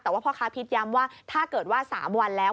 แต่ว่าพ่อค้าพิษย้ำว่าถ้าเกิดว่า๓วันแล้ว